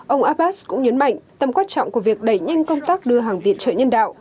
ông abbas cũng nhấn mạnh tầm quan trọng của việc đẩy nhanh công tác đưa hàng viện trợ nhân đạo